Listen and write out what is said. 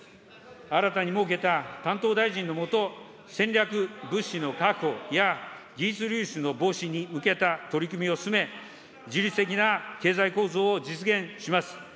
新たに設けた担当大臣の下、戦略物資の確保や技術流出の防止に向けた取り組みを進め、自律的な経済的な構造を実現します。